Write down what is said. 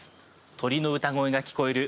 鳥の歌声が聞こえる